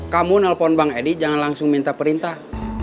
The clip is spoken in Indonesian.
kamu nelpon bang edi jangan langsung minta perintah